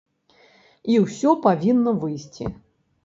І ўсё павінна выйсці.